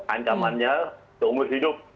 angkamannya tunggu hidup